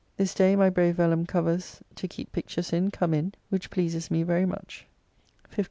This day my brave vellum covers to keep pictures in, come in, which pleases me very much. 15th.